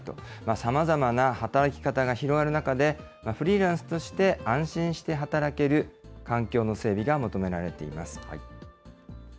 さまざまな働き方が広がる中で、フリーランスとして安心して働ける環境の整備が求められています。